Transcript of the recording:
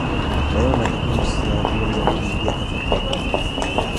ويوم تقوم الساعة يومئذ يتفرقون